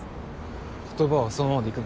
言葉はそのままでいくの？